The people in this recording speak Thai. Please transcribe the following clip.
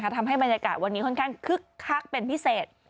ทำให้บรรยากาศวันนี้ค่อนข้างคึกคักเป็นพิเศษ